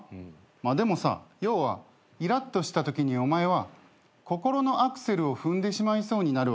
まあでもさ要はイラッとしたときにお前は心のアクセルを踏んでしまいそうになるわけだよな。